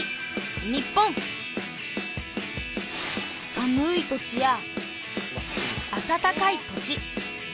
寒い土地やあたたかい土地。